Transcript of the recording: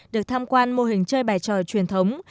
được tham quan mô hình chơi bài tròi truyền thống